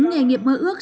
nghề nghiệp mơ ước